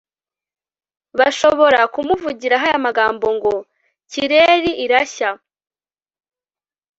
bashobora kumuvugiraho aya magambo, ngo «kireri irashya»